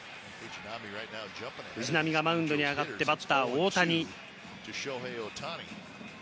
藤浪がマウンドに上がってバッター・大谷。